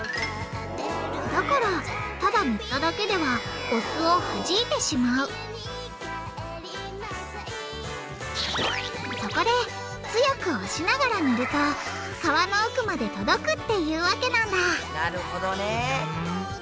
だからただ塗っただけではお酢をはじいてしまうそこで強く押しながら塗ると皮の奥まで届くっていうわけなんだなるほどね。